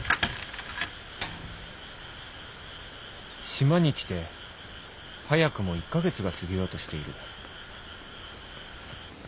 島に来て早くも１カ月が過ぎようとしている